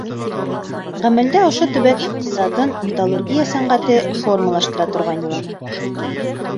Ғәмәлдә ошо төбәк иҡтисадын металлургия сәнәғәте формалаштыра торғайны ла.